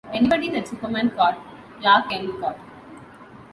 Anybody that Superman caught, Clark Kent caught.